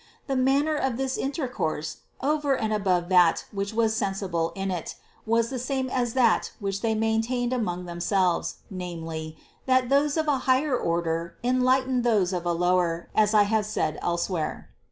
The manner of this inter course, over and above that which was sensible in it, was the same as that which they maintained among themselves, namely, that those of a higher order enlight en those of a lower, as I have said elsewhere (No.